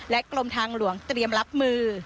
กรมทางหลวงเตรียมรับมือ